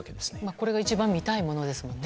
これが一番見たいものですもんね。